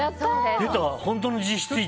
本当の実質１位。